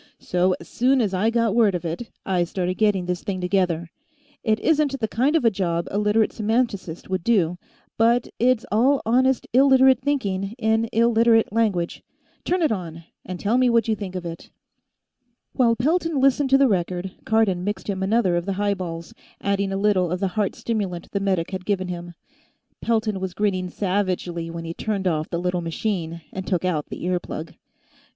"So, as soon as I got word of it, I started getting this thing together. It isn't the kind of a job a Literate semanticist would do, but it's all honest Illiterate thinking, in Illiterate language. Turn it on, and tell me what you think of it." While Pelton listened to the record, Cardon mixed him another of the highballs, adding a little of the heart stimulant the medic had given him. Pelton was grinning savagely when he turned off the little machine and took out the ear plug.